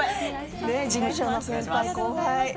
事務所の先輩、後輩